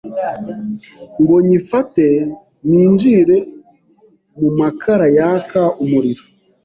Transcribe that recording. ngo nyifate minjire mu makarayaka umuriro